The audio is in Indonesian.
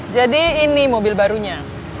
jadi ini mobil barunya